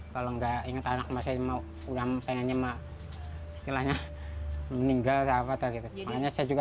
kalau enggak inget anak masih mau udah pengen nyemak setelahnya meninggal apa takutnya juga